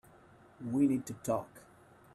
We need to talk.